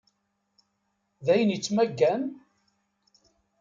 D ayen yettmaggan?